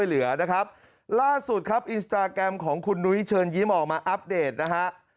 ล่าสุดครับอินสตราแกรมของคุณนุ้ยเชิญยิ้มออกมาอัปเดตนะฮะ